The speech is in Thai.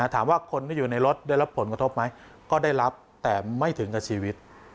ถามว่าคนที่อยู่ในรถได้รับผลกระทบไหมก็ได้รับแต่ไม่ถึงกับชีวิต